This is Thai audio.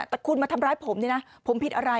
แต่คุณมาทำร้ายผมนี่นะผมผิดอะไร